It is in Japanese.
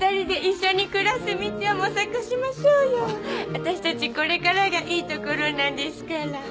わたしたちこれからがいいところなんですからー。